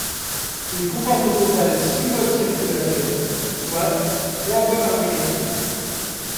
Il comporte au total six voies de circulation, soit trois voies par direction.